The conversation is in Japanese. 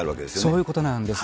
そういうことなんです。